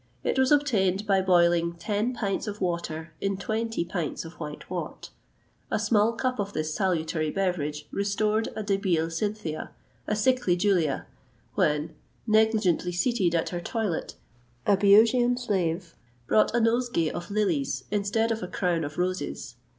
It was obtained by boiling ten pints of water in twenty pints of white wort.[XXVIII 158] A small cup of this salutary beverage restored a debile Cynthia, a sickly Julia, when, negligently seated at her toilet, a Bœotian slave brought a nosegay of lilies instead of a crown of roses.